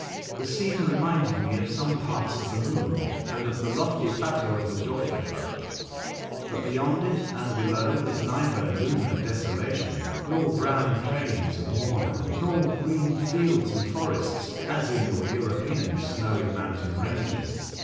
The scene reminded me of some parts of the Moon, and of the lofty plateau of the Dofrefeld. But beyond it and below, was neither lunar desolation nor brown plains of moorland, nor green fields and forests as in your European snowy mountain ranges.